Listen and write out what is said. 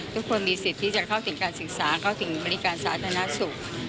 ทุกคนมีสิทธิ์ที่จะเข้าถึงการศึกษาเข้าถึงบริการสาธารณสุข